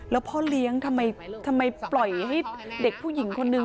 แล้วพ่อเลี้ยงทำไมปล่อยให้เด็กผู้หญิงคนนึง